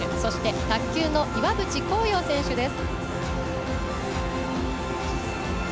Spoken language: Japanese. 卓球の岩渕幸洋選手です。